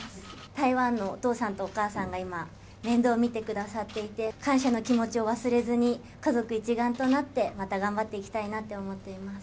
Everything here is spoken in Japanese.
台湾のお父さんとお母さんが今、面倒を見てくださっていて、感謝の気持ちを忘れずに、家族一丸となって、また頑張っていきたいなって思っています。